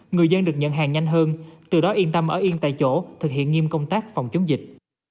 người dân được nhận hàng nhanh hơn từ đó yên tâm ở yên tại chỗ thực hiện nghiêm công tác phòng chống dịch